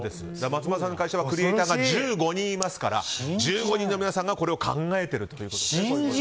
松丸さんの会社はクリエーターが１５人いますから１５人の皆さんがこれを考えているということです。